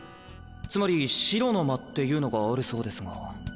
つまり白の間っていうのがあるそうですが。